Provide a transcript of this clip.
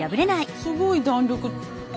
すごい弾力。